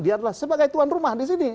dia adalah sebagai tuan rumah di sini